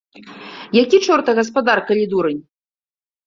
Які чорта гаспадар, калі дурань?